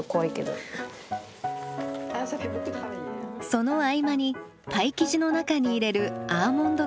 その合間にパイ生地の中に入れるアーモンドクリーム作り。